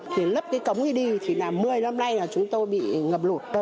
thì lấp cái cống đi thì là mười năm nay là chúng tôi bị ngập lụt